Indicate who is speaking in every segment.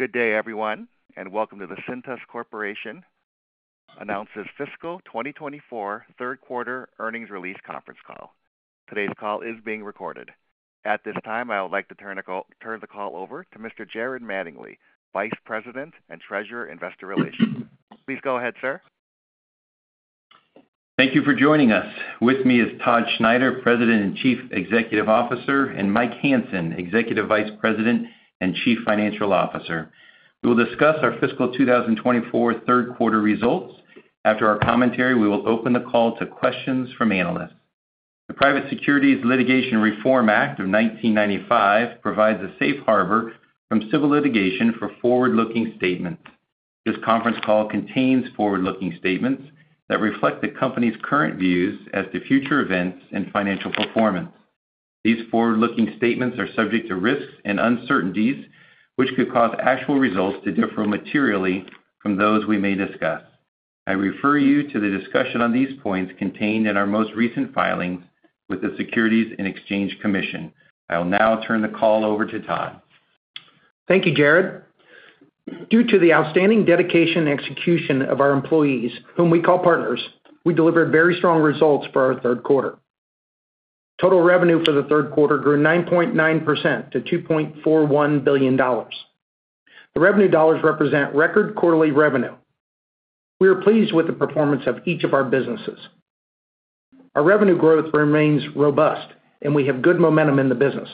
Speaker 1: Good day, everyone, and welcome to the Cintas Corporation announces fiscal 2024 third quarter earnings release conference call. Today's call is being recorded. At this time, I would like to turn the call over to Mr. Jared Mattingley, Vice President and Treasurer, Investor Relations. Please go ahead, sir.
Speaker 2: Thank you for joining us. With me is Todd Schneider, President and Chief Executive Officer, and Mike Hansen, Executive Vice President and Chief Financial Officer. We will discuss our fiscal 2024 third quarter results. After our commentary, we will open the call to questions from analysts. The Private Securities Litigation Reform Act of 1995 provides a safe harbor from civil litigation for forward-looking statements. This conference call contains forward-looking statements that reflect the company's current views as to future events and financial performance. These forward-looking statements are subject to risks and uncertainties, which could cause actual results to differ materially from those we may discuss. I refer you to the discussion on these points contained in our most recent filings with the Securities and Exchange Commission. I will now turn the call over to Todd.
Speaker 3: Thank you, Jared. Due to the outstanding dedication and execution of our employees, whom we call partners, we delivered very strong results for our third quarter. Total revenue for the third quarter grew 9.9% to $2.41 billion. The revenue dollars represent record quarterly revenue. We are pleased with the performance of each of our businesses. Our revenue growth remains robust, and we have good momentum in the business.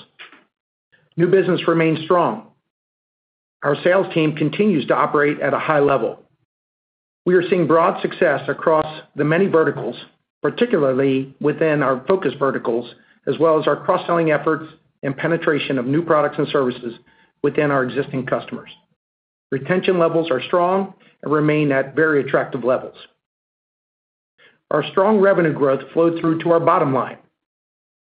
Speaker 3: New business remains strong. Our sales team continues to operate at a high level. We are seeing broad success across the many verticals, particularly within our focus verticals, as well as our cross-selling efforts and penetration of new products and services within our existing customers. Retention levels are strong and remain at very attractive levels. Our strong revenue growth flowed through to our bottom line.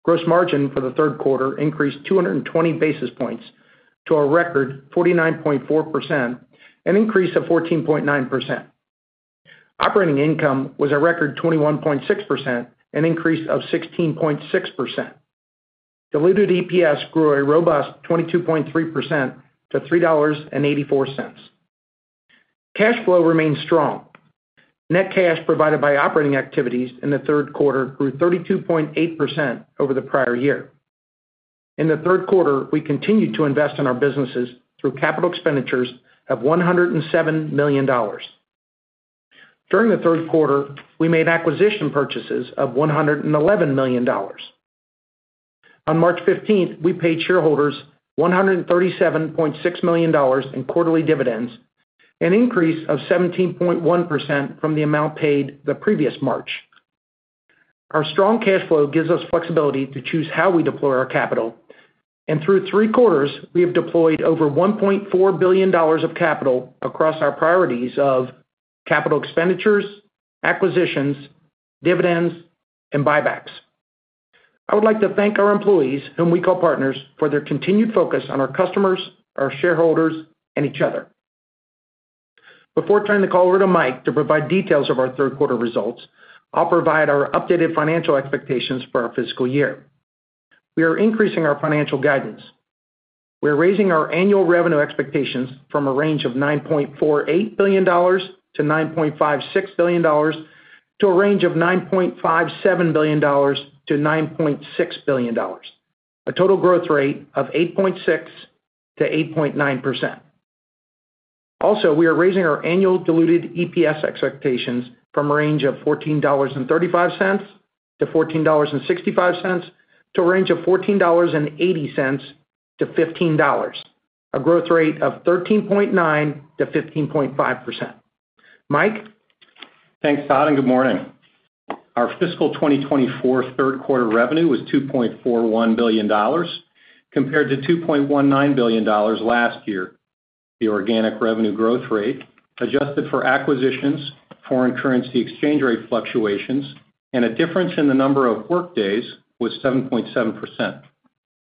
Speaker 3: Gross margin for the third quarter increased 220 basis points to a record 49.4%, an increase of 14.9%. Operating income was a record 21.6%, an increase of 16.6%. Diluted EPS grew a robust 22.3% to $3.84. Cash flow remains strong. Net cash provided by operating activities in the third quarter grew 32.8% over the prior year. In the third quarter, we continued to invest in our businesses through capital expenditures of $107 million. During the third quarter, we made acquisition purchases of $111 million. On March 15th, we paid shareholders $137.6 million in quarterly dividends, an increase of 17.1% from the amount paid the previous March. Our strong cash flow gives us flexibility to choose how we deploy our capital, and through three quarters, we have deployed over $1.4 billion of capital across our priorities of capital expenditures, acquisitions, dividends, and buybacks. I would like to thank our employees, whom we call partners, for their continued focus on our customers, our shareholders, and each other. Before turning the call over to Mike to provide details of our third quarter results, I'll provide our updated financial expectations for our fiscal year. We are increasing our financial guidance. We are raising our annual revenue expectations from a range of $9.48 billion-$9.56 billion to a range of $9.57 billion-$9.6 billion, a total growth rate of 8.6%-8.9%. Also, we are raising our annual diluted EPS expectations from a range of $14.35-$14.65 to a range of $14.80-$15, a growth rate of 13.9%-15.5%. Mike?
Speaker 4: Thanks, Todd, and good morning. Our fiscal 2024 third quarter revenue was $2.41 billion, compared to $2.19 billion last year. The organic revenue growth rate, adjusted for acquisitions, foreign currency exchange rate fluctuations, and a difference in the number of workdays, was 7.7%.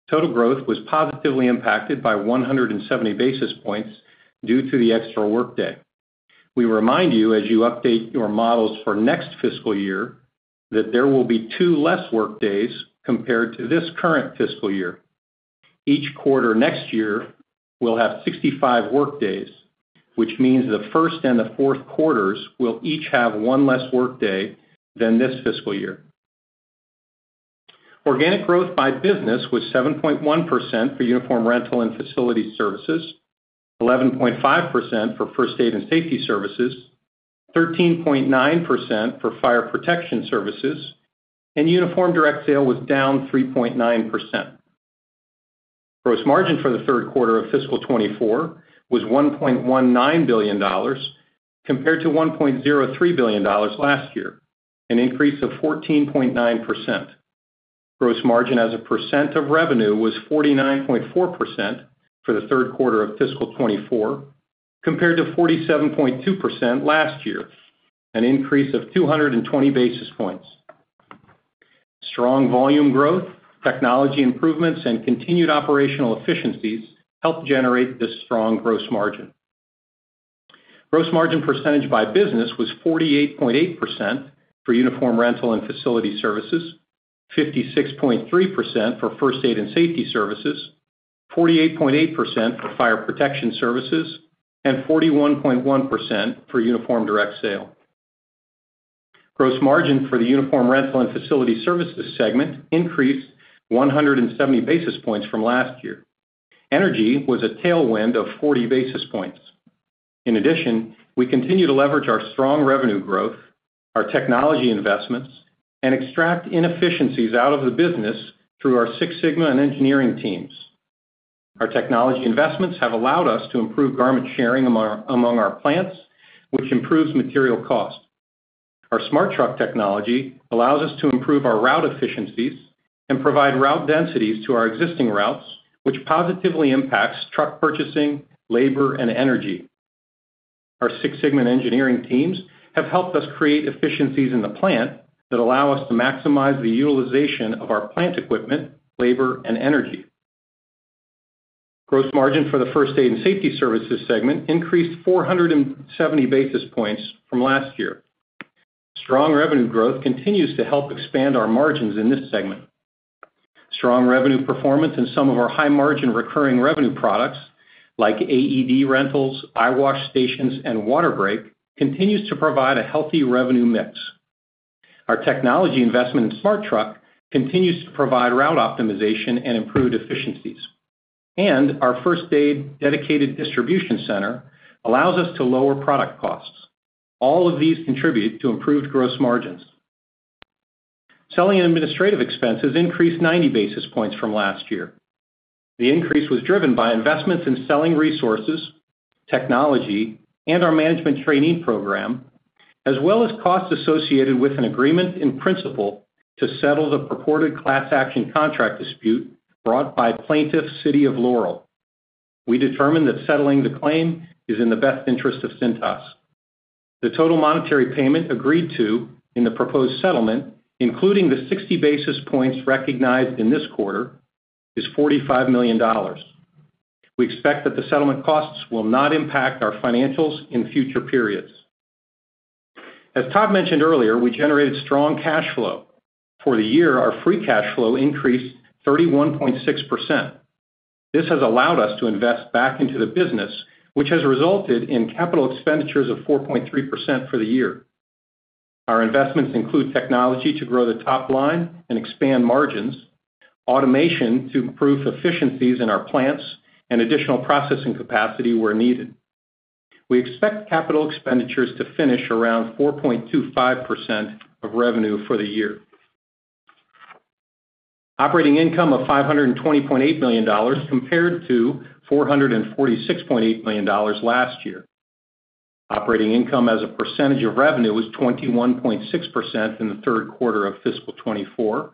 Speaker 4: Total growth was positively impacted by 170 basis points due to the extra workday. We remind you, as you update your models for next fiscal year, that there will be two less workdays compared to this current fiscal year. Each quarter next year, we'll have 65 workdays, which means the first and the fourth quarters will each have one less workday than this fiscal year. Organic growth by business was 7.1% for uniform rental and facility services, 11.5% for first aid and safety services, 13.9% for fire protection services, and uniform direct sale was down 3.9%. Gross margin for the third quarter of fiscal 2024 was $1.19 billion, compared to $1.03 billion last year, an increase of 14.9%. Gross margin as a percent of revenue was 49.4% for the third quarter of fiscal 2024, compared to 47.2% last year, an increase of 220 basis points. Strong volume growth, technology improvements, and continued operational efficiencies helped generate this strong gross margin. Gross margin percentage by business was 48.8% for Uniform Rental and Facility Services, 56.3% for First Aid and Safety Services, 48.8% for Fire Protection Services, and 41.1% for Uniform Direct Sale. Gross margin for the Uniform Rental and Facility Services segment increased 170 basis points from last year. Energy was a tailwind of 40 basis points. In addition, we continue to leverage our strong revenue growth, our technology investments, and extract inefficiencies out of the business through our Six Sigma and engineering teams. Our technology investments have allowed us to improve garment sharing among our plants, which improves material cost. Our SmartTruck technology allows us to improve our route efficiencies and provide route densities to our existing routes, which positively impacts truck purchasing, labor, and energy. Our Six Sigma and engineering teams have helped us create efficiencies in the plant that allow us to maximize the utilization of our plant equipment, labor and energy. Gross margin for the First Aid and Safety Services segment increased 470 basis points from last year. Strong revenue growth continues to help expand our margins in this segment. Strong revenue performance in some of our high-margin recurring revenue products, like AED rentals, eyewash stations, and WaterBreak, continues to provide a healthy revenue mix. Our technology investment in SmartTruck continues to provide route optimization and improved efficiencies, and our first aid dedicated distribution center allows us to lower product costs. All of these contribute to improved gross margins. Selling and administrative expenses increased 90 basis points from last year. The increase was driven by investments in selling resources, technology, and our management trainee program, as well as costs associated with an agreement in principle to settle the purported class action contract dispute brought by plaintiff, City of Laurel. We determined that settling the claim is in the best interest of Cintas. The total monetary payment agreed to in the proposed settlement, including the 60 basis points recognized in this quarter, is $45 million. We expect that the settlement costs will not impact our financials in future periods. As Todd mentioned earlier, we generated strong cash flow. For the year, our free cash flow increased 31.6%. This has allowed us to invest back into the business, which has resulted in capital expenditures of 4.3% for the year. Our investments include technology to grow the top line and expand margins, automation to improve efficiencies in our plants, and additional processing capacity where needed. We expect capital expenditures to finish around 4.25% of revenue for the year. Operating income of $520.8 million compared to $446.8 million last year. Operating income as a percentage of revenue was 21.6% in the third quarter of fiscal 2024,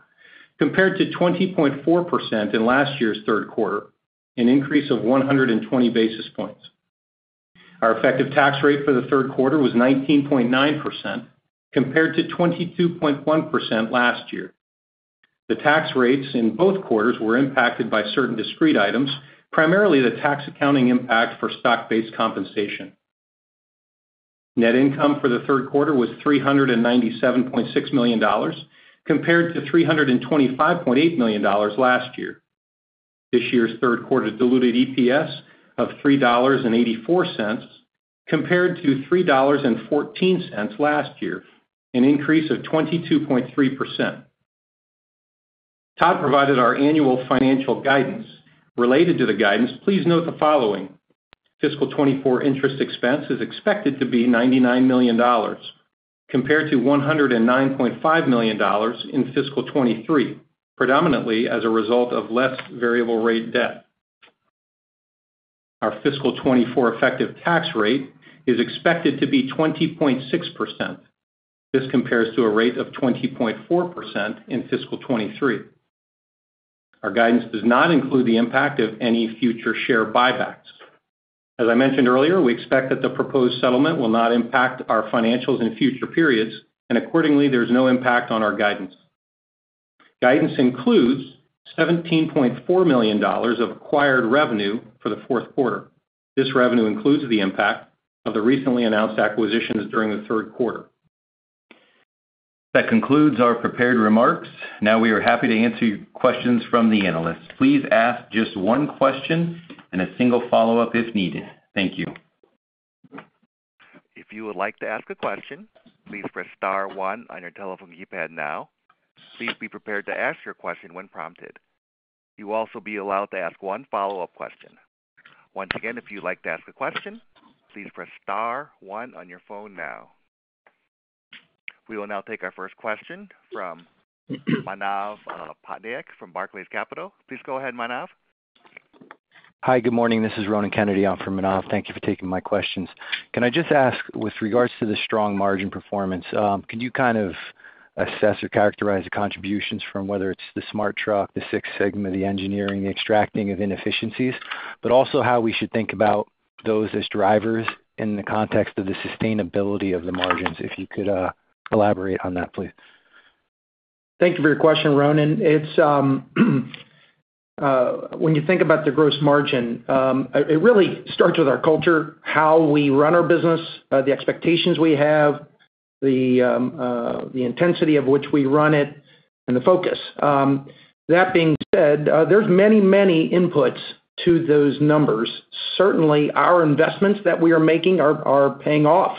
Speaker 4: compared to 20.4% in last year's third quarter, an increase of 120 basis points. Our effective tax rate for the third quarter was 19.9%, compared to 22.1% last year. The tax rates in both quarters were impacted by certain discrete items, primarily the tax accounting impact for stock-based compensation. Net income for the third quarter was $397.6 million, compared to $325.8 million last year. This year's third quarter diluted EPS of $3.84, compared to $3.14 last year, an increase of 22.3%. Todd provided our annual financial guidance. Related to the guidance, please note the following: Fiscal 2024 interest expense is expected to be $99 million, compared to $109.5 million in Fiscal 2023, predominantly as a result of less variable rate debt. Our Fiscal 2024 effective tax rate is expected to be 20.6%. This compares to a rate of 20.4% in Fiscal 2023. Our guidance does not include the impact of any future share buybacks. As I mentioned earlier, we expect that the proposed settlement will not impact our financials in future periods, and accordingly, there's no impact on our guidance. Guidance includes $17.4 million of acquired revenue for the fourth quarter. This revenue includes the impact of the recently announced acquisitions during the third quarter. That concludes our prepared remarks. Now, we are happy to answer questions from the analysts. Please ask just one question and a single follow-up if needed. Thank you.
Speaker 1: If you would like to ask a question, please press star one on your telephone keypad now. Please be prepared to ask your question when prompted. You will also be allowed to ask one follow-up question. Once again, if you'd like to ask a question, please press star one on your phone now. We will now take our first question from Manav Patnaik from Barclays Capital. Please go ahead, Manav.
Speaker 5: Hi, good morning. This is Ronan Kennedy in for Manav. Thank you for taking my questions. Can I just ask, with regards to the strong margin performance, could you kind of assess or characterize the contributions from whether it's the SmartTruck, the Six Sigma, the engineering, the extracting of inefficiencies, but also how we should think about those as drivers in the context of the sustainability of the margins? If you could elaborate on that, please....
Speaker 3: Thank you for your question, Ronan. It's when you think about the gross margin, it really starts with our culture, how we run our business, the expectations we have, the intensity of which we run it, and the focus. That being said, there's many, many inputs to those numbers. Certainly, our investments that we are making are paying off.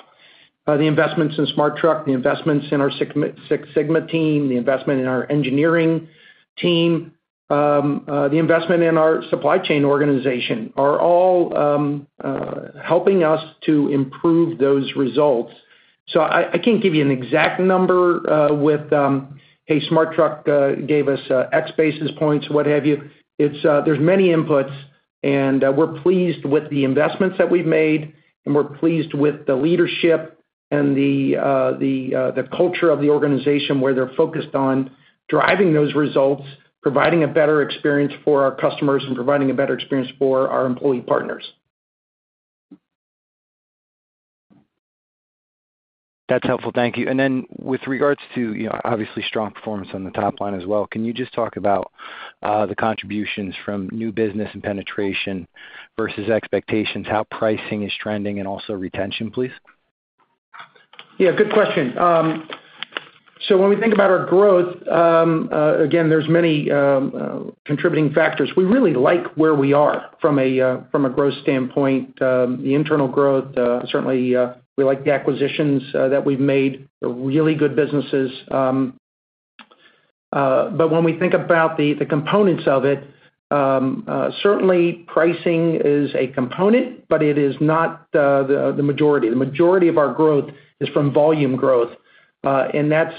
Speaker 3: The investments in SmartTruck, the investments in our Six Sigma team, the investment in our engineering team, the investment in our supply chain organization are all helping us to improve those results. So I can't give you an exact number with "Hey, SmartTruck gave us X basis points," what have you. It's, there's many inputs, and we're pleased with the investments that we've made, and we're pleased with the leadership and the culture of the organization, where they're focused on driving those results, providing a better experience for our customers and providing a better experience for our employee partners.
Speaker 5: That's helpful. Thank you. And then with regards to, you know, obviously, strong performance on the top line as well, can you just talk about, the contributions from new business and penetration versus expectations, how pricing is trending, and also retention, please?
Speaker 3: Yeah, good question. So when we think about our growth, again, there's many contributing factors. We really like where we are from a growth standpoint. The internal growth, certainly, we like the acquisitions that we've made; they're really good businesses. But when we think about the components of it, certainly, pricing is a component, but it is not the majority. The majority of our growth is from volume growth, and that's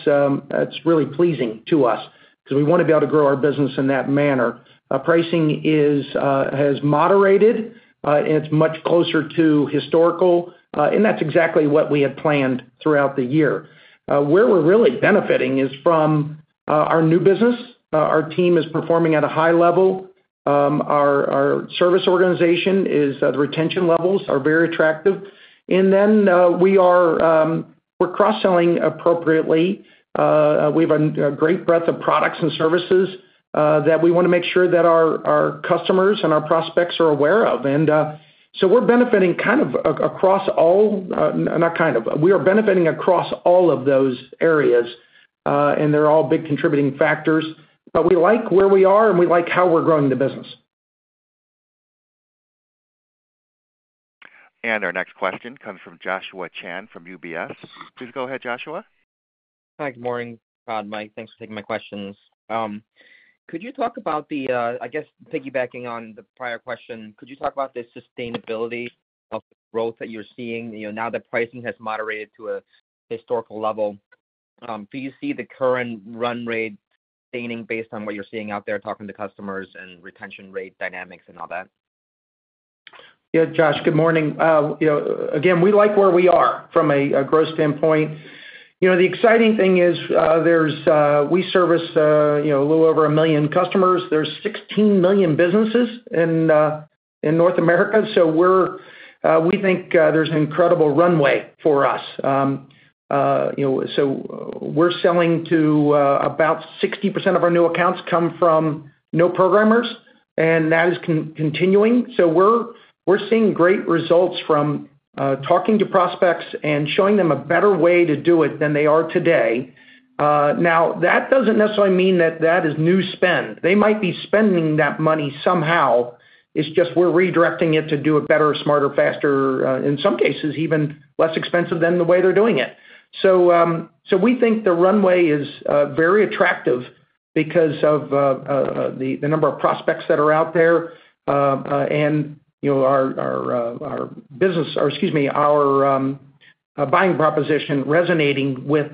Speaker 3: really pleasing to us because we want to be able to grow our business in that manner. Pricing has moderated, and it's much closer to historical, and that's exactly what we had planned throughout the year. Where we're really benefiting is from our new business. Our team is performing at a high level. Our service organization is, the retention levels are very attractive. And then, we're cross-selling appropriately. We have a great breadth of products and services that we wanna make sure that our customers and our prospects are aware of. And so we're benefiting across all of those areas, and they're all big contributing factors. But we like where we are, and we like how we're growing the business.
Speaker 1: Our next question comes from Joshua Chan from UBS. Please go ahead, Joshua.
Speaker 6: Hi, good morning, Mike, thanks for taking my questions. Could you talk about the, I guess, piggybacking on the prior question, could you talk about the sustainability of the growth that you're seeing, you know, now that pricing has moderated to a historical level? Do you see the current run rate staining based on what you're seeing out there, talking to customers and retention rate dynamics and all that?
Speaker 3: Yeah, Josh, good morning. You know, again, we like where we are from a growth standpoint. You know, the exciting thing is, there's we service, you know, a little over 1 million customers. There's 16 million businesses in North America, so we're we think there's an incredible runway for us. You know, so we're selling to about 60% of our new accounts come from no programmers, and that is continuing. So we're seeing great results from talking to prospects and showing them a better way to do it than they are today. Now, that doesn't necessarily mean that that is new spend. They might be spending that money somehow, it's just we're redirecting it to do it better, smarter, faster, in some cases, even less expensive than the way they're doing it. So, we think the runway is very attractive because of the number of prospects that are out there, and, you know, our business, or excuse me, our buying proposition resonating with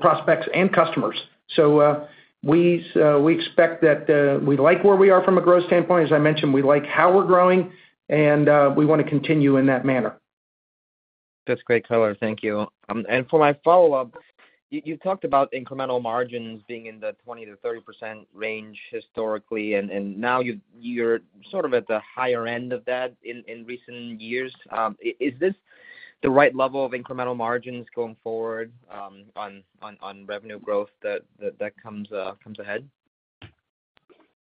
Speaker 3: prospects and customers. So, we expect that we like where we are from a growth standpoint. As I mentioned, we like how we're growing, and we wanna continue in that manner.
Speaker 6: That's great color. Thank you. And for my follow-up, you talked about incremental margins being in the 20%-30% range historically, and now you're sort of at the higher end of that in recent years. Is this the right level of incremental margins going forward, on revenue growth that comes ahead?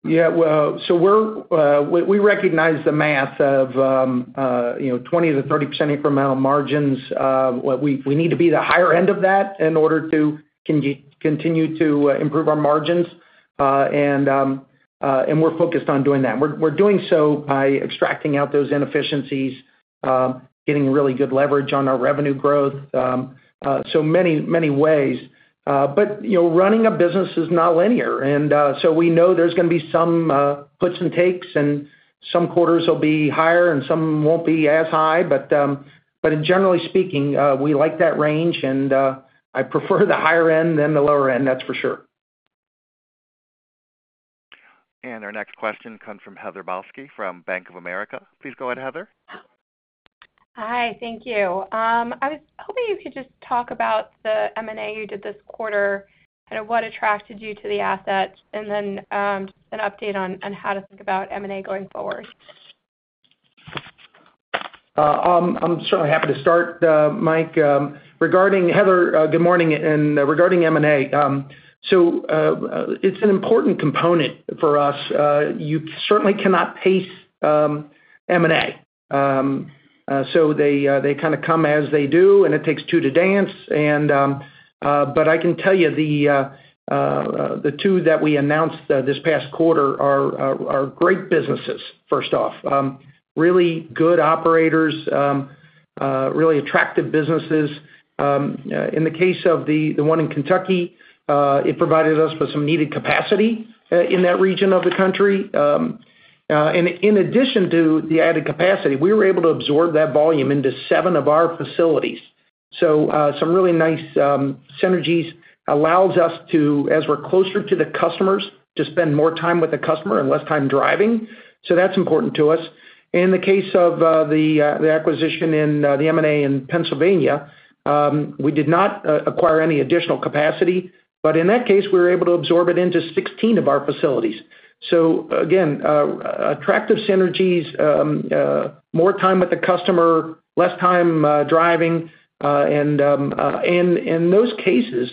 Speaker 3: Yeah, well, so we're. We recognize the math of, you know, 20%-30% incremental margins. What we need to be the higher end of that in order to continue to improve our margins, and we're focused on doing that. We're doing so by extracting out those inefficiencies, getting really good leverage on our revenue growth, so many, many ways. But, you know, running a business is not linear, and so we know there's gonna be some puts and takes, and some quarters will be higher, and some won't be as high. But generally speaking, we like that range, and I prefer the higher end than the lower end, that's for sure.
Speaker 1: Our next question comes from Heather Balsky from Bank of America. Please go ahead, Heather.
Speaker 7: Hi, thank you. I was hoping you could just talk about the M&A you did this quarter, and what attracted you to the assets, and then, just an update on how to think about M&A going forward?...
Speaker 3: I'm certainly happy to start, Mike, regarding Heather, good morning, and regarding M&A. It's an important component for us. You certainly cannot pace M&A. So they kind of come as they do, and it takes two to dance, and but I can tell you the two that we announced this past quarter are great businesses, first off. Really good operators, really attractive businesses. In the case of the one in Kentucky, it provided us with some needed capacity in that region of the country. And in addition to the added capacity, we were able to absorb that volume into seven of our facilities. So, some really nice synergies allows us to, as we're closer to the customers, to spend more time with the customer and less time driving. So that's important to us. In the case of the acquisition in the M&A in Pennsylvania, we did not acquire any additional capacity, but in that case, we were able to absorb it into 16 of our facilities. So again, attractive synergies, more time with the customer, less time driving, and in those cases,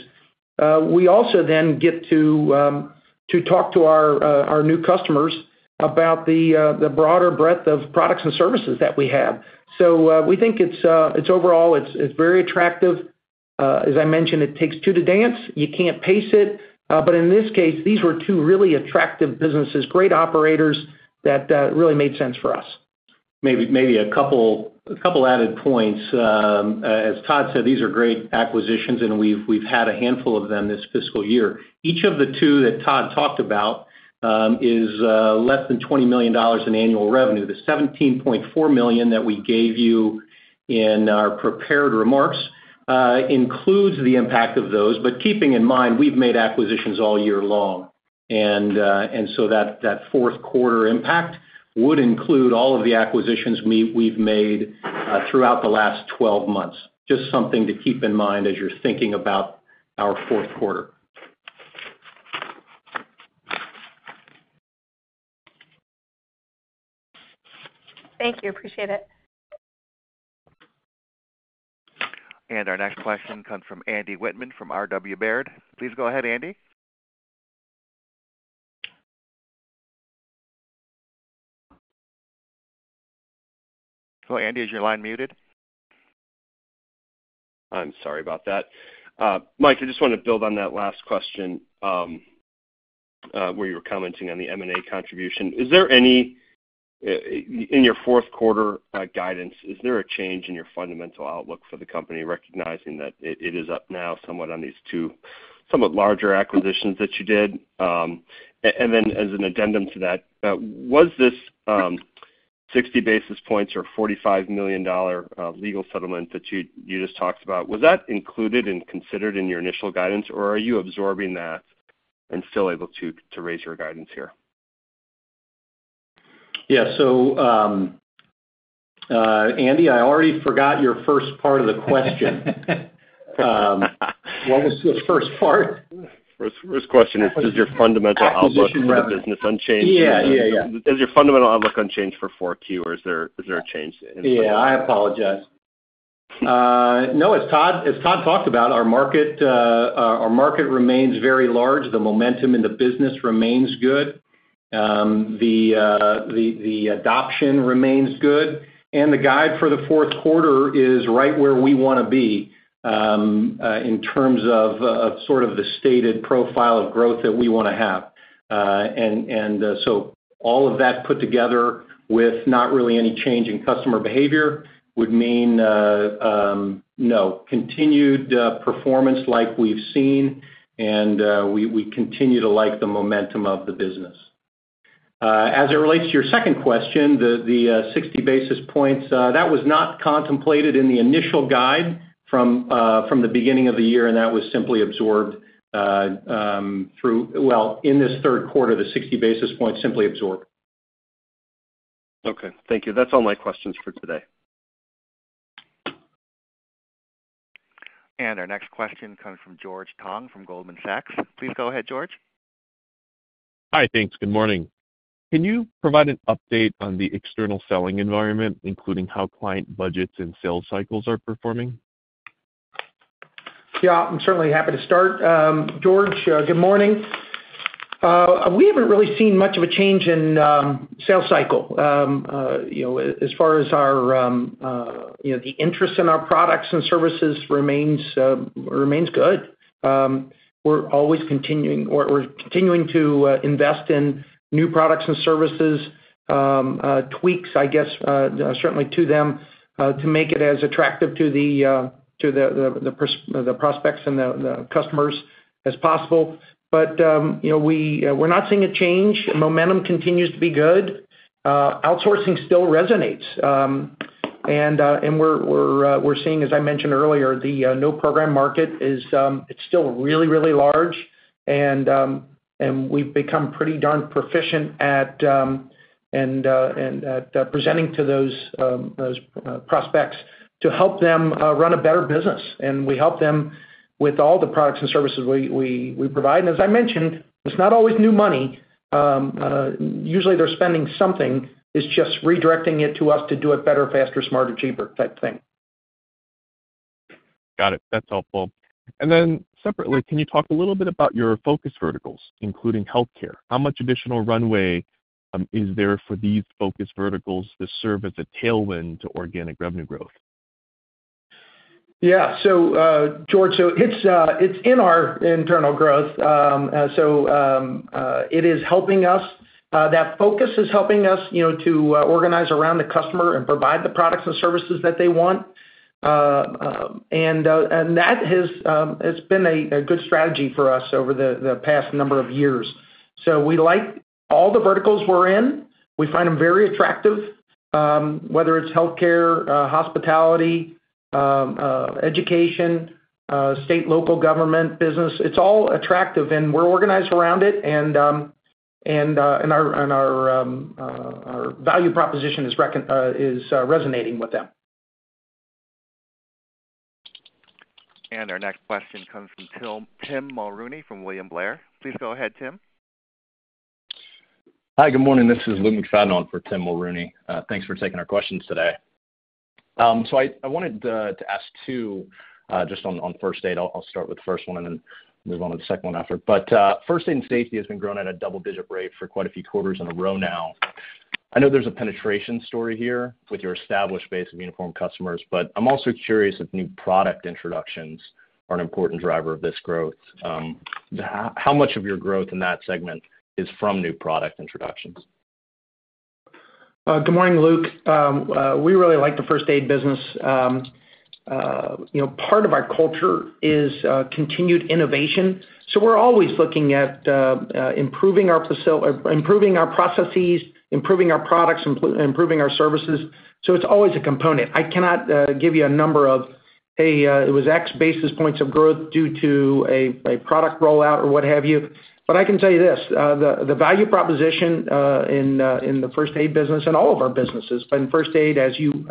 Speaker 3: we also then get to talk to our new customers about the broader breadth of products and services that we have. So, we think it's overall very attractive. As I mentioned, it takes two to dance. You can't pace it, but in this case, these were two really attractive businesses, great operators that really made sense for us.
Speaker 4: Maybe, maybe a couple, a couple added points. As Todd said, these are great acquisitions, and we've, we've had a handful of them this fiscal year. Each of the two that Todd talked about is less than $20 million in annual revenue. The $17.4 million that we gave you in our prepared remarks includes the impact of those, but keeping in mind, we've made acquisitions all year long. And so that fourth quarter impact would include all of the acquisitions we've made throughout the last 12 months. Just something to keep in mind as you're thinking about our fourth quarter.
Speaker 7: Thank you. Appreciate it.
Speaker 1: Our next question comes from Andrew Wittmann from RW Baird. Please go ahead, Andrew. Hello, Andrew, is your line muted?
Speaker 8: I'm sorry about that. Mike, I just want to build on that last question, where you were commenting on the M&A contribution. Is there any, in your fourth quarter, guidance, is there a change in your fundamental outlook for the company, recognizing that it, it is up now somewhat on these two, somewhat larger acquisitions that you did? And then as an addendum to that, was this, 60 basis points or $45 million legal settlement that you, you just talked about, was that included and considered in your initial guidance, or are you absorbing that and still able to, to raise your guidance here?
Speaker 4: Yeah. So, Andy, I already forgot your first part of the question. What was the first part?
Speaker 8: First question is, is your fundamental outlook-
Speaker 4: Acquisition rather.
Speaker 8: for the business unchanged?
Speaker 4: Yeah, yeah, yeah.
Speaker 8: Is your fundamental outlook unchanged for Q4, or is there a change in-
Speaker 4: Yeah, I apologize. No, as Todd, as Todd talked about, our market, our market remains very large. The momentum in the business remains good. The adoption remains good, and the guide for the fourth quarter is right where we want to be, in terms of, sort of the stated profile of growth that we want to have. And, so all of that put together with not really any change in customer behavior, would mean, no, continued performance like we've seen, and, we continue to like the momentum of the business. As it relates to your second question, the sixty basis points, that was not contemplated in the initial guide from, from the beginning of the year, and that was simply absorbed, through... Well, in this third quarter, the 60 basis points simply absorbed.
Speaker 8: Okay. Thank you. That's all my questions for today.
Speaker 1: Our next question comes from George Tong, from Goldman Sachs. Please go ahead, George.
Speaker 8: Hi. Thanks. Good morning. Can you provide an update on the external selling environment, including how client budgets and sales cycles are performing?
Speaker 3: Yeah, I'm certainly happy to start. George, good morning. We haven't really seen much of a change in sales cycle. You know, as far as our, you know, the interest in our products and services remains, remains good. We're always continuing, or we're continuing to invest in new products and services, tweaks, I guess, certainly to them, to make it as attractive to the, to the, the prospects and the customers as possible. But, you know, we, we're not seeing a change. Momentum continues to be good. Outsourcing still resonates. and we're seeing, as I mentioned earlier, the no program market is, it's still really, really large and we've become pretty darn proficient at presenting to those prospects to help them run a better business. And we help them with all the products and services we provide. And as I mentioned, it's not always new money. Usually, they're spending something, it's just redirecting it to us to do it better, faster, smarter, cheaper type thing.
Speaker 9: Got it. That's helpful. And then separately, can you talk a little bit about your focus verticals, including healthcare? How much additional runway is there for these focus verticals that serve as a tailwind to organic revenue growth?
Speaker 3: Yeah. So, George, so it's in our internal growth. So, it is helping us. That focus is helping us, you know, to organize around the customer and provide the products and services that they want. And that has been a good strategy for us over the past number of years. So we like all the verticals we're in. We find them very attractive, whether it's healthcare, hospitality, education, state, local government, business, it's all attractive, and we're organized around it. And our value proposition is resonating with them.
Speaker 1: Our next question comes from Tim, Tim Mulrooney from William Blair. Please go ahead, Tim.
Speaker 10: Hi, good morning. This is Luke McFadden for Tim Mulrooney. Thanks for taking our questions today. So I wanted to ask two just on first aid. I'll start with the first one and then move on to the second one after. But first aid and safety has been growing at a double-digit rate for quite a few quarters in a row now. I know there's a penetration story here with your established base of uniform customers, but I'm also curious if new product introductions are an important driver of this growth. How much of your growth in that segment is from new product introductions?
Speaker 3: Good morning, Luke. We really like the first aid business. You know, part of our culture is continued innovation, so we're always looking at improving our processes, improving our products, improving our services, so it's always a component. I cannot give you a number of, hey, it was X basis points of growth due to a product rollout or what have you. But I can tell you this, the value proposition in the first aid business and all of our businesses, but in first aid, as you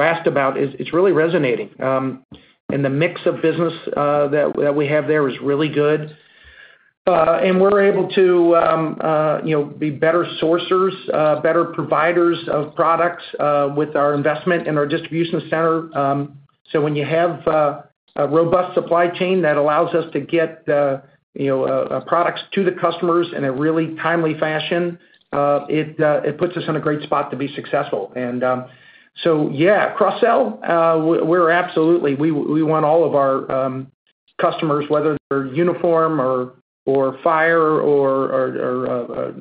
Speaker 3: asked about, is it's really resonating. And the mix of business that we have there is really good. And we're able to, you know, be better sourcers, better providers of products, with our investment in our distribution center. So when you have a robust supply chain, that allows us to get, you know, products to the customers in a really timely fashion, it puts us in a great spot to be successful. Yeah, cross-sell, we're absolutely—we want all of our customers, whether they're uniform or fire or a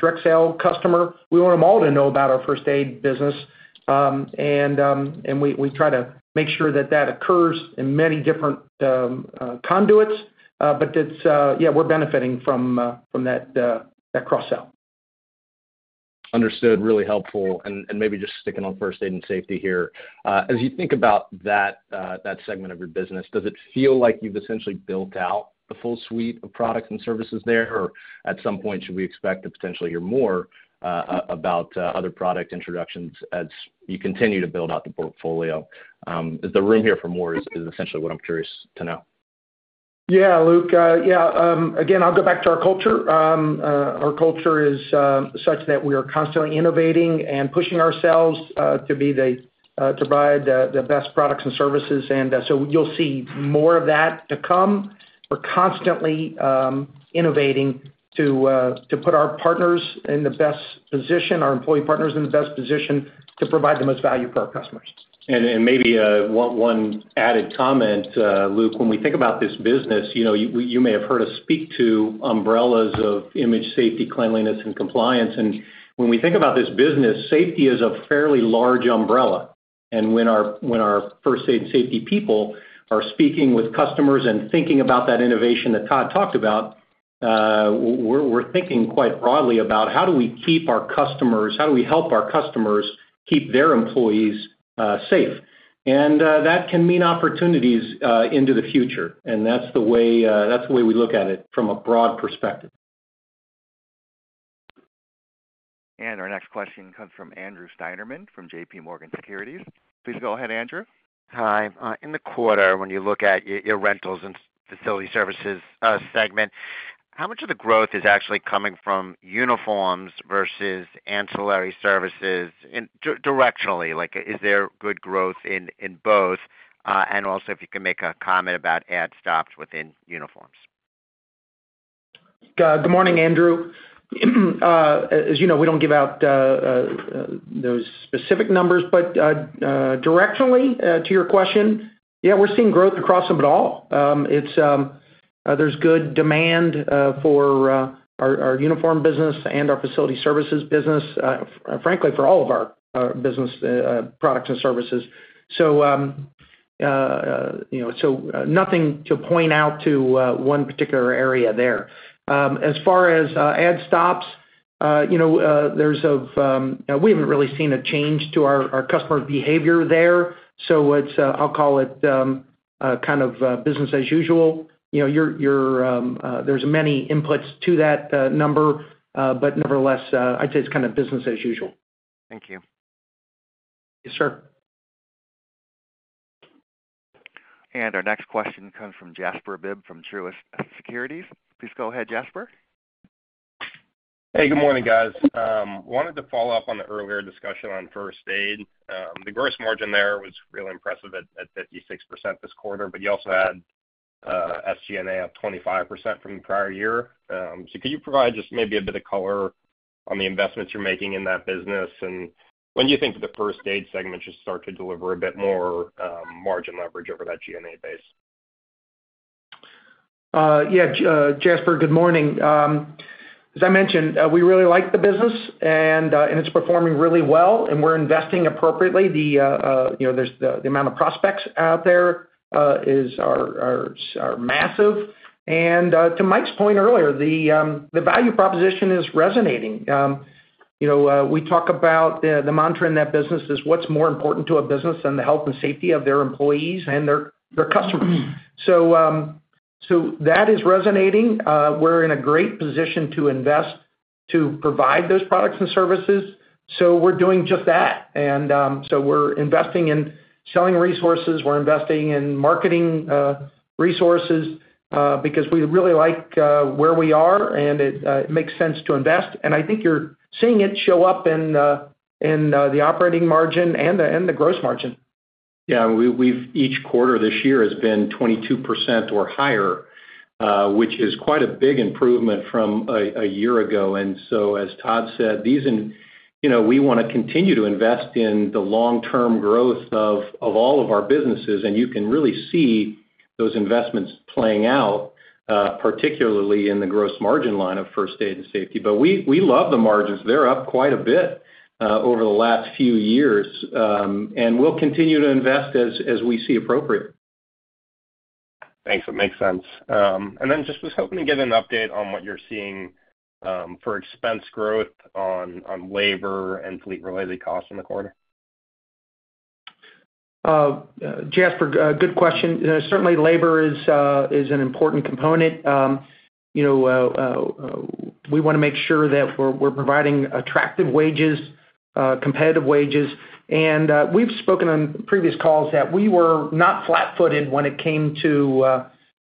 Speaker 3: direct sale customer, we want them all to know about our first aid business. And we try to make sure that that occurs in many different conduits, but it's yeah, we're benefiting from that cross-sell.
Speaker 10: Understood. Really helpful. Maybe just sticking on first aid and safety here. As you think about that, that segment of your business, does it feel like you've essentially built out the full suite of products and services there? Or at some point, should we expect to potentially hear more about other product introductions as you continue to build out the portfolio? Is there room here for more? That is essentially what I'm curious to know.
Speaker 3: Yeah, Luke. Yeah, again, I'll go back to our culture. Our culture is such that we are constantly innovating and pushing ourselves to be the to provide the the best products and services. And so you'll see more of that to come. We're constantly innovating to put our partners in the best position, our employee partners in the best position, to provide the most value for our customers.
Speaker 4: Maybe one added comment, Luke, when we think about this business, you know, you may have heard us speak to umbrellas of image, safety, cleanliness, and compliance. And when we think about this business, safety is a fairly large umbrella. And when our first aid and safety people are speaking with customers and thinking about that innovation that Todd talked about, we're thinking quite broadly about: How do we keep our customers? How do we help our customers keep their employees safe? And that can mean opportunities into the future, and that's the way we look at it from a broad perspective.
Speaker 1: Our next question comes from Andrew Steinerman from J.P. Morgan Securities. Please go ahead, Andrew.
Speaker 11: Hi. In the quarter, when you look at your rentals and facility services segment, how much of the growth is actually coming from uniforms versus ancillary services? And directionally, like, is there good growth in both? And also, if you can make a comment about ad stops within uniforms.
Speaker 3: Good morning, Andrew. As you know, we don't give out those specific numbers. But directionally, to your question, yeah, we're seeing growth across them at all. It's. There's good demand for our uniform business and our facility services business, frankly, for all of our business products and services. So, you know, so nothing to point out to one particular area there. As far as ad stops, you know, we haven't really seen a change to our customer behavior there, so it's, I'll call it kind of business as usual. You know, there's many inputs to that number, but nevertheless, I'd say it's kind of business as usual.
Speaker 11: Thank you....
Speaker 3: Yes, sir.
Speaker 1: Our next question comes from Jasper Bibb from Truist Securities. Please go ahead, Jasper.
Speaker 12: Hey, good morning, guys. Wanted to follow up on the earlier discussion on first aid. The gross margin there was really impressive at 56% this quarter, but you also had SG&A up 25% from the prior year. So could you provide just maybe a bit of color on the investments you're making in that business, and when do you think the first aid segment should start to deliver a bit more margin leverage over that G&A base?
Speaker 3: Yeah, Jasper, good morning. As I mentioned, we really like the business, and it's performing really well, and we're investing appropriately. You know, there's the amount of prospects out there is massive. And to Mike's point earlier, the value proposition is resonating. You know, we talk about the mantra in that business is, what's more important to a business than the health and safety of their employees and their customers? So that is resonating. We're in a great position to invest, to provide those products and services, so we're doing just that. And so we're investing in selling resources, we're investing in marketing resources, because we really like where we are, and it makes sense to invest. I think you're seeing it show up in the operating margin and the gross margin.
Speaker 4: Yeah, each quarter this year has been 22% or higher, which is quite a big improvement from a year ago. And so, as Todd said, you know, we want to continue to invest in the long-term growth of all of our businesses, and you can really see those investments playing out, particularly in the gross margin line of first aid and safety. But we love the margins. They're up quite a bit over the last few years. And we'll continue to invest as we see appropriate.
Speaker 12: Thanks. That makes sense. And then just was hoping to get an update on what you're seeing for expense growth on labor and fleet-related costs in the quarter.
Speaker 3: Jasper, good question. Certainly, labor is an important component. You know, we want to make sure that we're providing attractive wages, competitive wages. And we've spoken on previous calls that we were not flat-footed when it came to,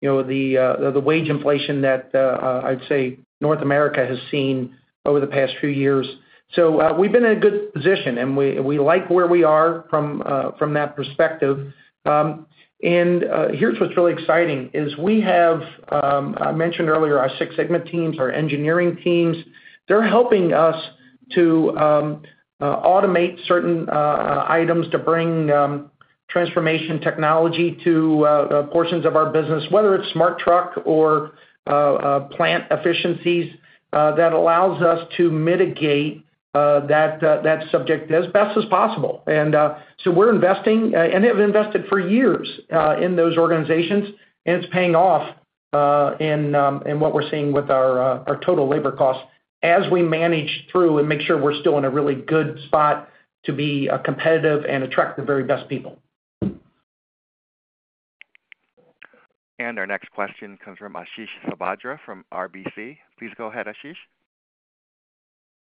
Speaker 3: you know, the wage inflation that I'd say North America has seen over the past few years. So, we've been in a good position, and we like where we are from that perspective. And, here's what's really exciting, is we have, I mentioned earlier, our Six Sigma teams, our engineering teams, they're helping us to automate certain items to bring transformation technology to portions of our business, whether it's SmartTruck or plant efficiencies, that allows us to mitigate that subject as best as possible. And, so we're investing and have invested for years in those organizations, and it's paying off in what we're seeing with our total labor costs as we manage through and make sure we're still in a really good spot to be competitive and attract the very best people.
Speaker 1: Our next question comes from Ashish Sabadra from RBC. Please go ahead, Ashish.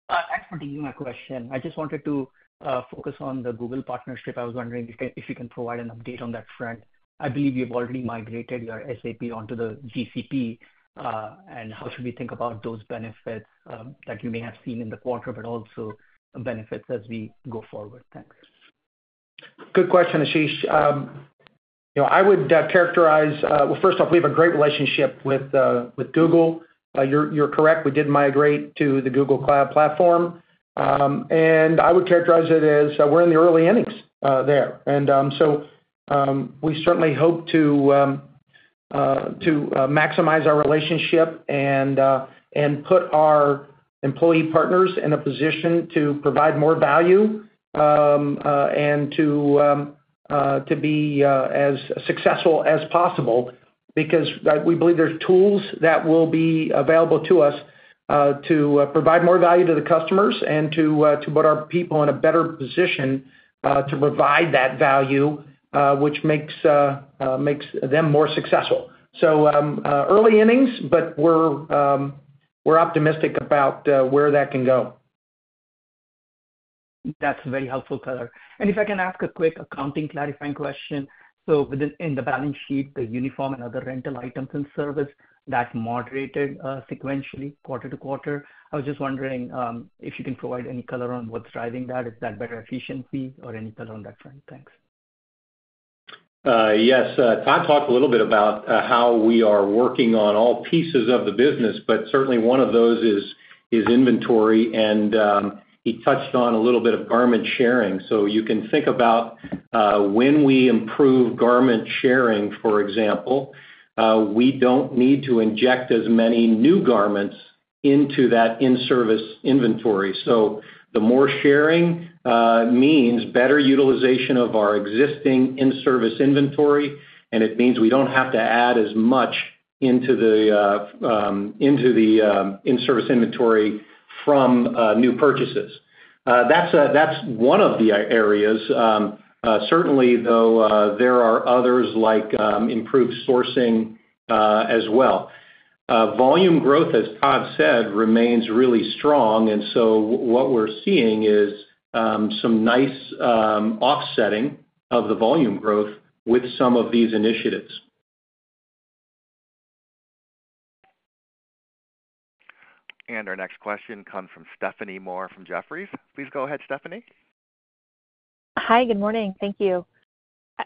Speaker 13: Thanks for taking my question. I just wanted to focus on the Google partnership. I was wondering if you can provide an update on that front. I believe you've already migrated your SAP onto the GCP. And how should we think about those benefits that you may have seen in the quarter, but also benefits as we go forward? Thanks.
Speaker 3: Good question, Ashish. You know, I would characterize. Well, first off, we have a great relationship with Google. You're correct, we did migrate to the Google Cloud Platform. And I would characterize it as, we're in the early innings there. And so, we certainly hope to maximize our relationship and put our employee partners in a position to provide more value, and to be as successful as possible, because we believe there are tools that will be available to us to provide more value to the customers and to put our people in a better position to provide that value, which makes them more successful. Early innings, but we're optimistic about where that can go.
Speaker 13: That's a very helpful color. And if I can ask a quick accounting clarifying question. So within, in the balance sheet, the uniform and other rental items and service, that moderated sequentially, quarter to quarter. I was just wondering if you can provide any color on what's driving that, is that better efficiency? Or any color on that front. Thanks.
Speaker 4: Yes. Todd talked a little bit about how we are working on all pieces of the business, but certainly one of those is inventory, and he touched on a little bit of garment sharing. So you can think about when we improve garment sharing, for example, we don't need to inject as many new garments into that in-service inventory. So the more sharing means better utilization of our existing in-service inventory, and it means we don't have to add as much into the in-service inventory from new purchases. That's one of the areas. Certainly, though, there are others like improved sourcing as well. Volume growth, as Todd said, remains really strong, and so what we're seeing is some nice offsetting of the volume growth with some of these initiatives.
Speaker 1: Our next question comes from Stephanie Moore from Jefferies. Please go ahead, Stephanie.
Speaker 14: Hi, good morning. Thank you.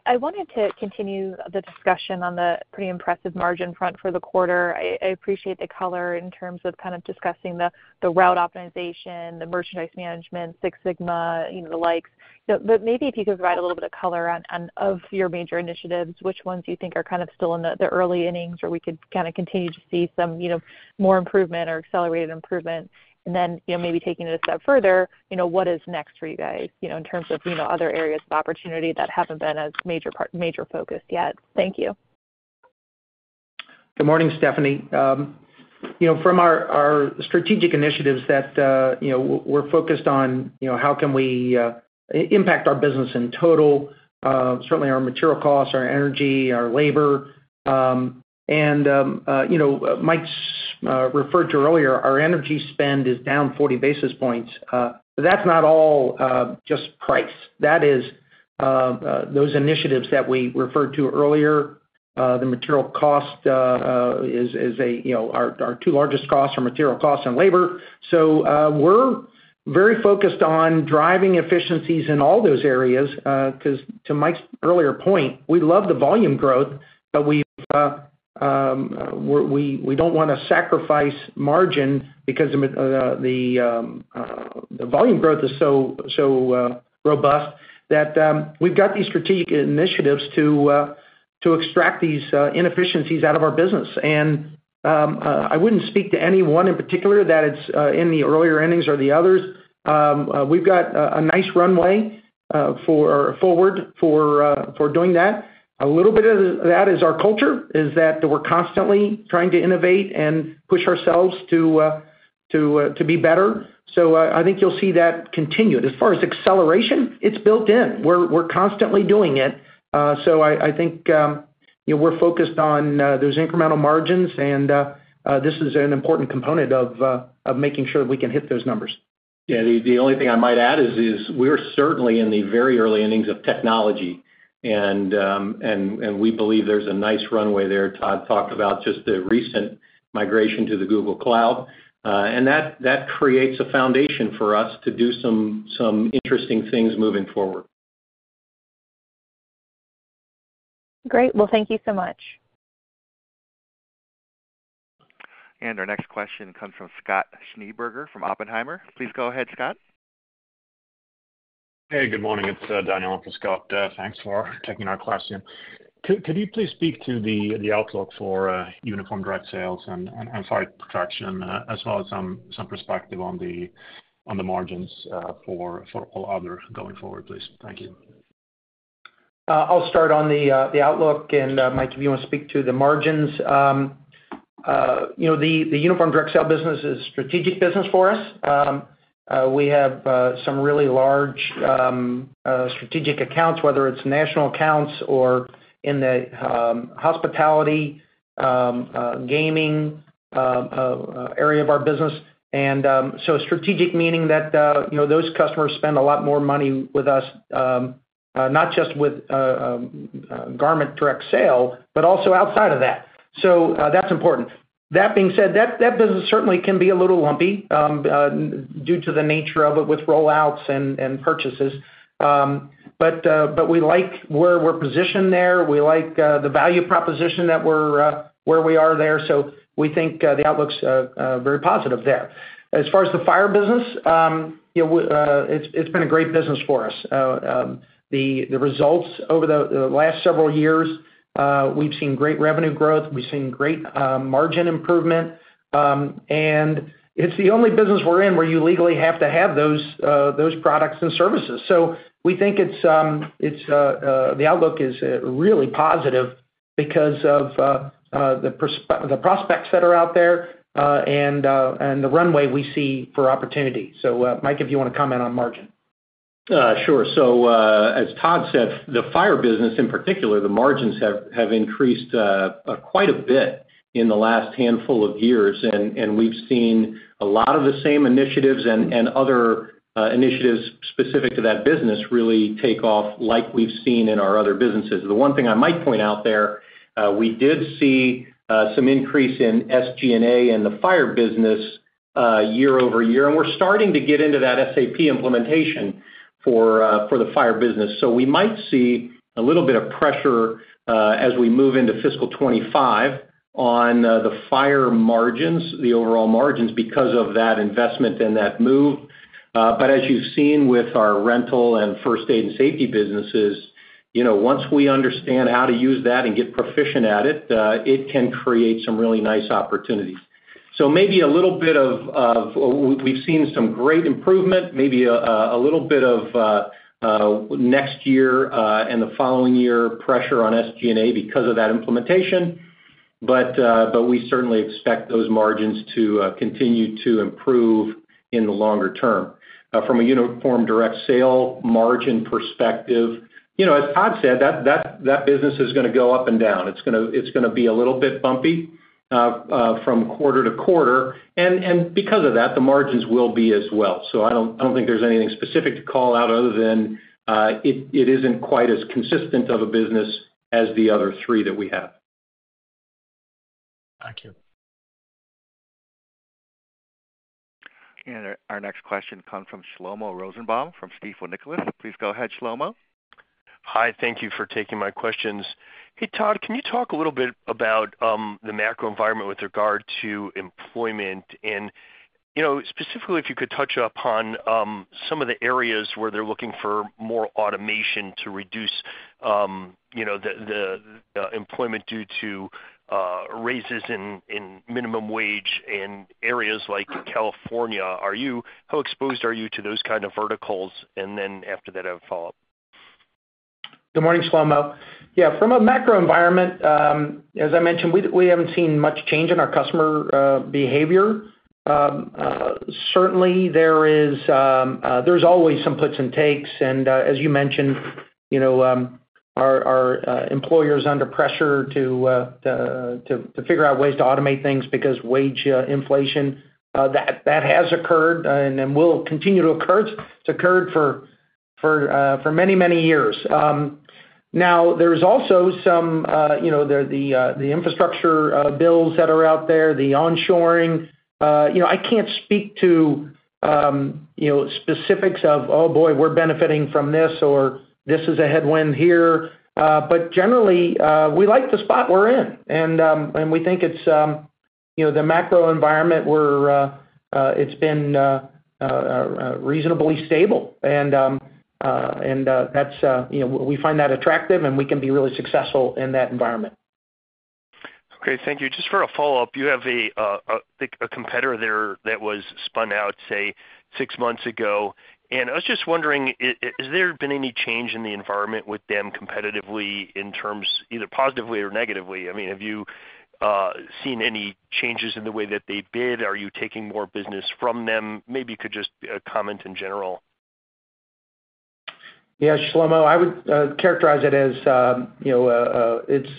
Speaker 14: I wanted to continue the discussion on the pretty impressive margin front for the quarter. I appreciate the color in terms of kind of discussing the route optimization, the merchandise management, Six Sigma, you know, the likes. But maybe if you could provide a little bit of color on one of your major initiatives, which ones you think are kind of still in the early innings, or we could kind of continue to see some, you know, more improvement or accelerated improvement? And then, you know, maybe taking it a step further, you know, what is next for you guys, you know, in terms of, you know, other areas of opportunity that haven't been as major part-major focus yet? Thank you.
Speaker 3: Good morning, Stephanie. You know, from our strategic initiatives that we're focused on, you know, how can we impact our business in total, certainly our material costs, our energy, our labor. You know, Mike's referred to earlier, our energy spend is down 40 basis points. But that's not all, just price. That is those initiatives that we referred to earlier, the material cost is, you know, our two largest costs are material costs and labor. So, we're very focused on driving efficiencies in all those areas, 'cause to Mike's earlier point, we love the volume growth, but we've, we don't want to sacrifice margin because of the volume growth is so robust that, we've got these strategic initiatives to extract these inefficiencies out of our business. And, I wouldn't speak to any one in particular that it's in the earlier innings or the others. We've got a nice runway forward for doing that. A little bit of that is our culture, is that we're constantly trying to innovate and push ourselves to be better. So, I think you'll see that continued. As far as acceleration, it's built in. We're constantly doing it. So I think, you know, we're focused on those incremental margins, and this is an important component of making sure we can hit those numbers.
Speaker 4: Yeah, the only thing I might add is we're certainly in the very early innings of technology, and we believe there's a nice runway there. Todd talked about just the recent migration to the Google Cloud, and that creates a foundation for us to do some interesting things moving forward.
Speaker 14: Great. Well, thank you so much.
Speaker 1: Our next question comes from Scott Schneeberger from Oppenheimer. Please go ahead, Scott.
Speaker 15: Hey, good morning, it's Daniel, and for Scott. Thanks for taking our question. Could you please speak to the outlook for uniform direct sales and fire protection, as well as some perspective on the margins for all other going forward, please? Thank you.
Speaker 3: I'll start on the outlook, and Mike, if you want to speak to the margins. You know, the Uniform Direct Sale business is a strategic business for us. We have some really large strategic accounts, whether it's national accounts or in the hospitality gaming area of our business. And so strategic, meaning that you know, those customers spend a lot more money with us, not just with garment direct sale, but also outside of that. So that's important. That being said, that business certainly can be a little lumpy due to the nature of it with rollouts and purchases. But we like where we're positioned there. We like the value proposition that we're where we are there, so we think the outlook's very positive there. As far as the fire business, you know, it's been a great business for us. The results over the last several years, we've seen great revenue growth, we've seen great margin improvement, and it's the only business we're in, where you legally have to have those products and services. So we think it's the outlook is really positive because of the prospects that are out there, and the runway we see for opportunity. So, Mike, if you want to comment on margin. Sure. So, as Todd said, the fire business, in particular, the margins have increased quite a bit in the last handful of years. And we've seen a lot of the same initiatives and other initiatives specific to that business really take off like we've seen in our other businesses. The one thing I might point out there, we did see some increase in SG&A in the fire business year-over-year, and we're starting to get into that SAP implementation for the fire business. So we might see a little bit of pressure as we move into fiscal 2025 on the fire margins, the overall margins, because of that investment and that move. But as you've seen with our rental and first aid and safety businesses, you know, once we understand how to use that and get proficient at it, it can create some really nice opportunities. So we've seen some great improvement, maybe a little bit of pressure next year and the following year on SG&A because of that implementation, but we certainly expect those margins to continue to improve in the longer term. From a uniform direct sale margin perspective, you know, as Todd said, that business is gonna go up and down. It's gonna be a little bit bumpy. ... from quarter to quarter, and because of that, the margins will be as well. So I don't think there's anything specific to call out other than, it isn't quite as consistent of a business as the other three that we have.
Speaker 16: Thank you.
Speaker 1: Our next question comes from Shlomo Rosenbaum, from Stifel Nicolaus. Please go ahead, Shlomo.
Speaker 17: Hi, thank you for taking my questions. Hey, Todd, can you talk a little bit about the macro environment with regard to employment? And, you know, specifically, if you could touch upon some of the areas where they're looking for more automation to reduce, you know, the employment due to raises in minimum wage in areas like California. How exposed are you to those kind of verticals? And then after that, I have a follow-up.
Speaker 3: Good morning, Shlomo. Yeah, from a macro environment, as I mentioned, we haven't seen much change in our customer behavior. Certainly, there is, there's always some puts and takes, and, as you mentioned, you know, our employers under pressure to figure out ways to automate things because wage inflation that has occurred, and then will continue to occur. It's occurred for many, many years. Now, there's also some, you know, the infrastructure bills that are out there, the onshoring. You know, I can't speak to, you know, specifics of, oh, boy, we're benefiting from this, or this is a headwind here. But generally, we like the spot we're in, and we think it's, you know, the macro environment. It's been reasonably stable. And that's, you know, we find that attractive, and we can be really successful in that environment.
Speaker 17: Okay, thank you. Just for a follow-up, you have a competitor there that was spun out, say, six months ago, and I was just wondering, has there been any change in the environment with them competitively, in terms, either positively or negatively? I mean, have you seen any changes in the way that they bid? Are you taking more business from them? Maybe you could just comment in general.
Speaker 3: Yeah, Shlomo, I would characterize it as, you know, it's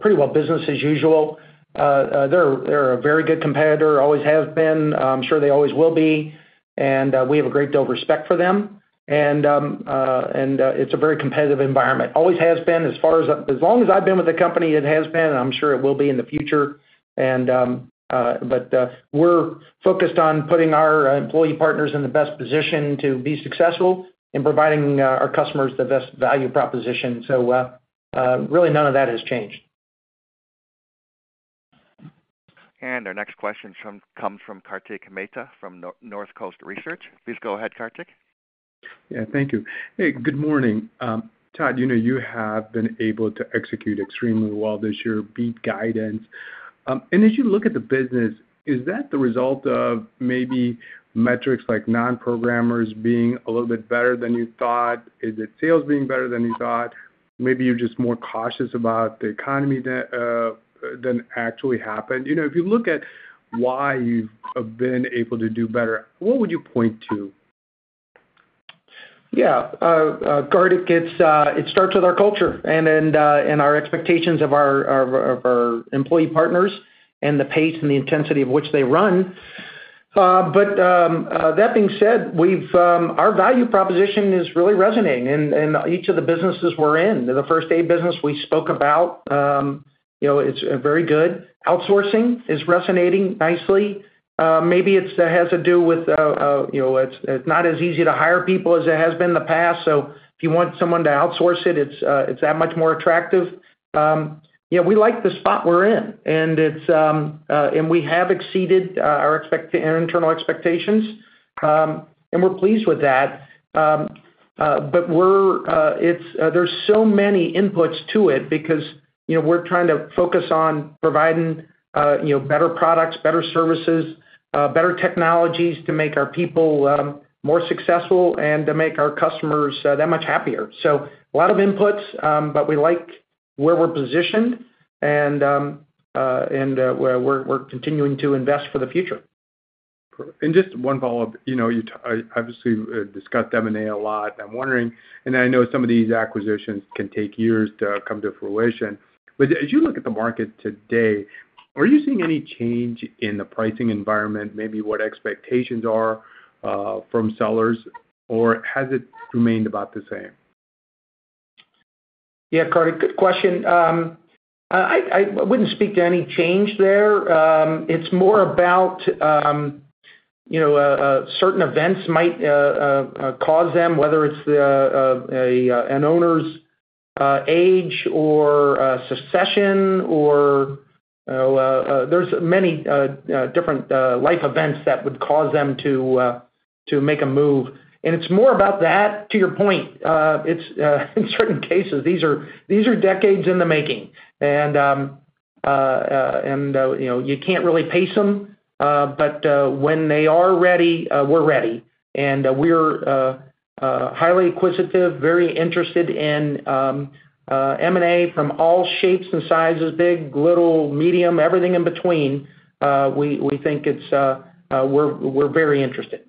Speaker 3: pretty well business as usual. They're a very good competitor, always have been. I'm sure they always will be, and we have a great deal of respect for them. And it's a very competitive environment. Always has been. As long as I've been with the company, it has been, and I'm sure it will be in the future. But we're focused on putting our employee partners in the best position to be successful in providing our customers the best value proposition. So, really, none of that has changed.
Speaker 1: Our next question comes from Kartik Mehta from Northcoast Research. Please go ahead, Kartik.
Speaker 18: Yeah, thank you. Hey, good morning. Todd, you know, you have been able to execute extremely well this year, beat guidance. And as you look at the business, is that the result of maybe metrics like non-programmers being a little bit better than you thought? Is it sales being better than you thought? Maybe you're just more cautious about the economy than actually happened. You know, if you look at why you've been able to do better, what would you point to?
Speaker 3: Yeah, Kartik, it starts with our culture and our expectations of our employee partners and the pace and the intensity of which they run. But that being said, we've our value proposition is really resonating in each of the businesses we're in. The first-aid business we spoke about, you know, it's very good. Outsourcing is resonating nicely. Maybe it has to do with you know, it's not as easy to hire people as it has been in the past, so if you want someone to outsource it, it's that much more attractive. Yeah, we like the spot we're in, and we have exceeded our internal expectations, and we're pleased with that. But it's, there's so many inputs to it because, you know, we're trying to focus on providing, you know, better products, better services, better technologies to make our people more successful and to make our customers that much happier. So a lot of inputs, but we like where we're positioned, and we're continuing to invest for the future.
Speaker 18: Just one follow-up. You know, you obviously discussed M&A a lot. I'm wondering, and I know some of these acquisitions can take years to come to fruition, but as you look at the market today, are you seeing any change in the pricing environment, maybe what expectations are, from sellers, or has it remained about the same?
Speaker 3: Yeah, Kartik, good question. I wouldn't speak to any change there. It's more about, you know, certain events might cause them, whether it's an owner's age or a succession or there's many different life events that would cause them to make a move. And it's more about that, to your point, it's in certain cases, these are decades in the making. And you know, you can't really pace them, but when they are ready, we're ready. And we're highly inquisitive, very interested in M&A from all shapes and sizes, big, little, medium, everything in between, we think it's, we're very interested. ...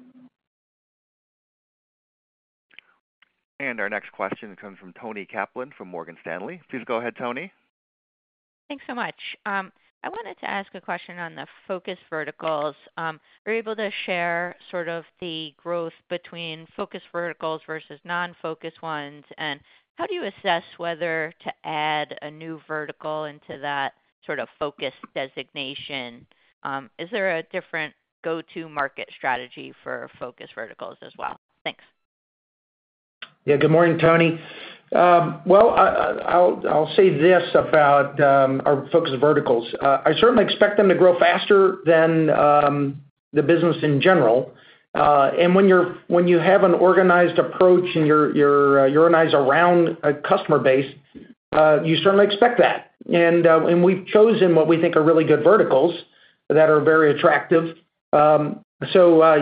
Speaker 1: Our next question comes from Toni Kaplan from Morgan Stanley. Please go ahead, Toni.
Speaker 19: Thanks so much. I wanted to ask a question on the focus verticals. Were you able to share sort of the growth between focus verticals versus non-focus ones? And how do you assess whether to add a new vertical into that sort of focus designation? Is there a different go-to-market strategy for focus verticals as well? Thanks.
Speaker 3: Yeah, good morning, Toni. Well, I'll say this about our focus verticals. I certainly expect them to grow faster than the business in general. And when you have an organized approach and you organize around a customer base, you certainly expect that. And we've chosen what we think are really good verticals that are very attractive. So,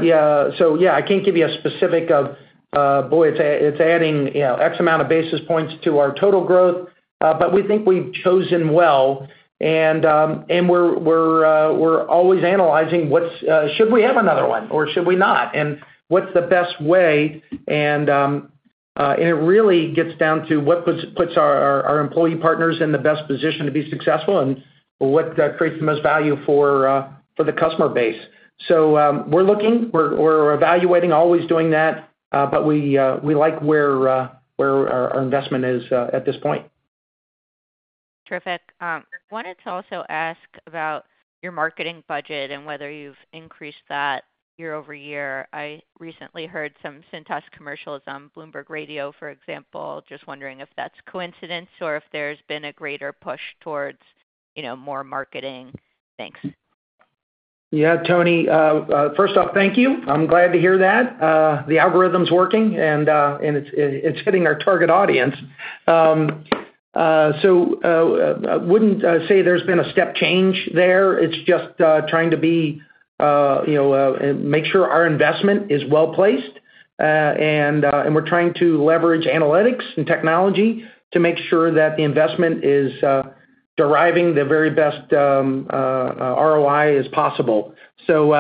Speaker 3: yeah, I can't give you a specific of, boy, it's adding, you know, X amount of basis points to our total growth, but we think we've chosen well, and we're always analyzing what's, should we have another one or should we not? And what's the best way? It really gets down to what puts our employee partners in the best position to be successful and what creates the most value for the customer base. We're looking, we're evaluating, always doing that, but we like where our investment is at this point.
Speaker 19: Terrific. Wanted to also ask about your marketing budget and whether you've increased that year-over-year. I recently heard some Cintas commercials on Bloomberg Radio, for example. Just wondering if that's coincidence or if there's been a greater push towards, you know, more marketing. Thanks.
Speaker 3: Yeah, Toni. First off, thank you. I'm glad to hear that. The algorithm's working, and it's hitting our target audience. So, I wouldn't say there's been a step change there. It's just trying to be, you know, make sure our investment is well placed. And we're trying to leverage analytics and technology to make sure that the investment is deriving the very best ROI as possible. So,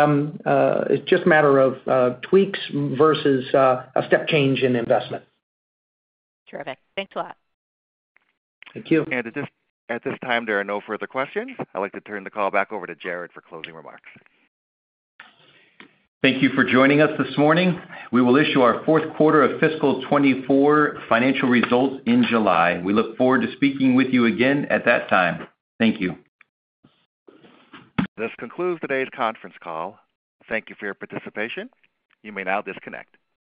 Speaker 3: it's just a matter of tweaks versus a step change in investment.
Speaker 19: Terrific. Thanks a lot.
Speaker 3: Thank you.
Speaker 1: At this time, there are no further questions. I'd like to turn the call back over to Jared for closing remarks.
Speaker 2: Thank you for joining us this morning. We will issue our fourth quarter of fiscal 2024 financial results in July. We look forward to speaking with you again at that time. Thank you.
Speaker 1: This concludes today's conference call. Thank you for your participation. You may now disconnect.